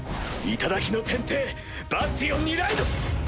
頂の天帝バスティオンにライド！